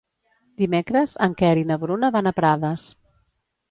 Dimecres en Quer i na Bruna van a Prades.